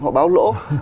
họ báo lỗ